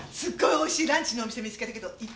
美味しいランチのお店見つけたけど行く？